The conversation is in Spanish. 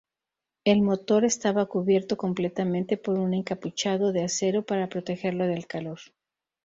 El motor estaba cubierto completamente por un encapuchado de acero para protegerlo del calor.